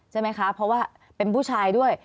ใช่ไหมคะเพราะว่าเป็นผู้ชายด้วย